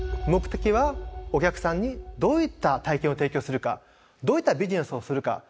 目的はお客さんにどういった体験を提供するかどういったビジネスをするか。